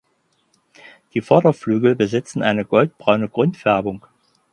Die Vorderflügel besitzen eine goldbraune Grundfärbung.